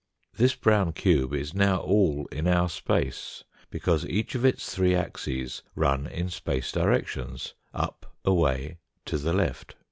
This brown cube is now all in our space, because each of its three axes run in space directions, up, away, to the left.